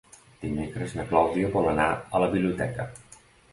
Dimecres na Clàudia vol anar a la biblioteca.